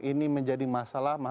ini menjadi masalah